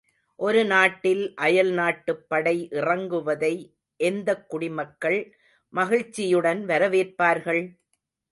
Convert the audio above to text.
ஒரு நாட்டில் அயல்நாட்டுப் படை இறங்குவதை எந்தக் குடிமக்கள் மகிழ்ச்சியுடன் வரவேற்பார்கள்?